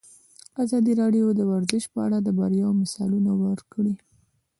ازادي راډیو د ورزش په اړه د بریاوو مثالونه ورکړي.